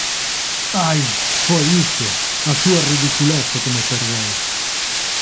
Ai! Foi iso, a súa ridiculez o que me perdeu.